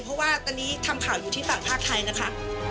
เพราะว่าตอนนี้ทำข่าวอยู่ที่ฝั่งภาคไทยนะคะ